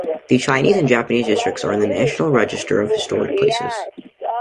The Chinese and Japanese districts are in the National Register of Historic Places.